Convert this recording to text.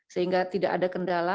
sehingga tidak ada kendala